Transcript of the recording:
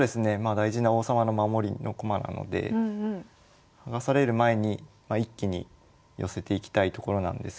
大事な王様の守りの駒なので剥がされる前に一気に寄せていきたいところなんですけど。